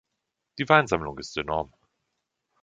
Die Weinsammlung ist enorm.